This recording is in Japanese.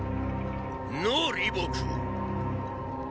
のォ李牧。